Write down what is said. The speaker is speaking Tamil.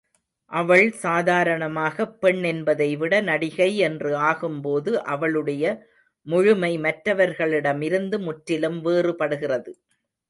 அவள் சாதாரணமாகப் பெண் என்பதை விட நடிகை என்று ஆகும் போது அவளுடைய முழுமை மற்றவர்களிடமிருந்து முற்றிலும் வேறுபடுகிறது.